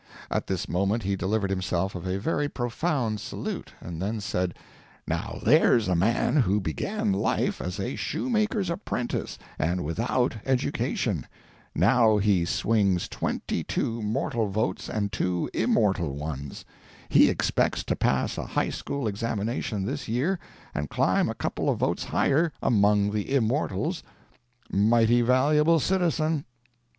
At this moment he delivered himself of a very profound salute, and then said, "Now there's a man who began life as a shoemaker's apprentice, and without education; now he swings twenty two mortal votes and two immortal ones; he expects to pass a high school examination this year and climb a couple of votes higher among the immortals; mighty valuable citizen."